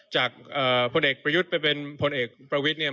พลเอกประยุทธ์ไปเป็นพลเอกประวิทย์เนี่ย